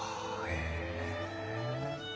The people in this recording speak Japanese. へえ。